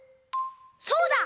そうだ！